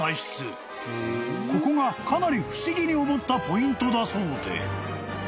［ここがかなり不思議に思ったポイントだそうで］